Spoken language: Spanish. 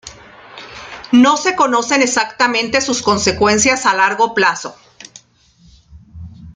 No se conocen exactamente sus consecuencias a largo plazo.